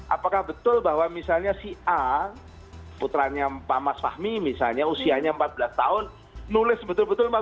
apakah betul bahwa misalnya si a putranya pak mas fahmi misalnya usianya empat belas tahun nulis betul betul